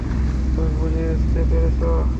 তুমি বুঝতে পেরেছ?